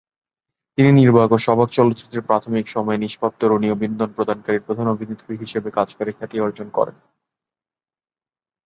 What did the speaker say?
তিনি নির্বাক ও সবাক চলচ্চিত্রের প্রাথমিক সময়ে নিষ্পাপ, তরুণী ও বিনোদন প্রদানকারী প্রধান অভিনেত্রী হিসেবে কাজ করে খ্যাতি অর্জন করেন।